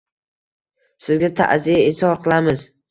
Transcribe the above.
Sizga ta’ziya izhor qilamiz.